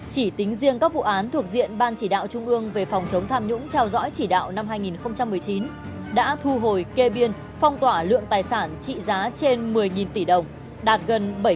chỉ tính riêng các vụ án thuộc diện ban chỉ đạo trung ương về phòng chống tham nhũng theo dõi chỉ đạo năm hai nghìn một mươi chín đã thu hồi kê biên phong tỏa lượng tài sản trị giá trên một mươi tỷ đồng đạt gần bảy tỷ đồng